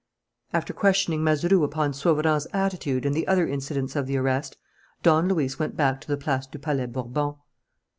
After questioning Mazeroux upon Sauverand's attitude and the other incidents of the arrest, Don Luis went back to the Place du Palais Bourbon.